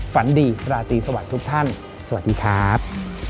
ฝันดีราตรีสวัสดีทุกท่านสวัสดีครับ